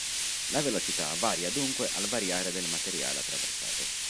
La velocità varia dunque al variare del materiale attraversato.